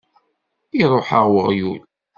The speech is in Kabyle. Iṛuḥ-aɣ weɣyul!